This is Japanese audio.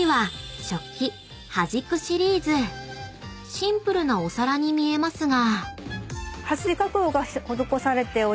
［シンプルなお皿に見えますが］